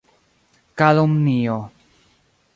Kalumnio.